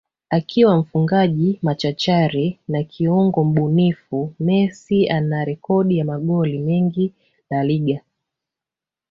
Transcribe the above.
akiwa mfungaji machachari na kiungo mbunifu Messi ana Rekodi ya magoli mengi La Liga